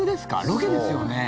ロケですよね。